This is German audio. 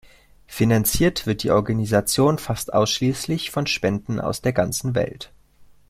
Finanziert wird die Organisation fast ausschließlich von Spenden aus der ganzen Welt.